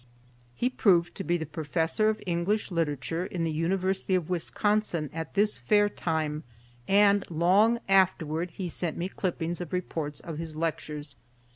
He proved to be the Professor of English Literature in the University of Wisconsin at this Fair time, and long afterward he sent me clippings of reports of his lectures.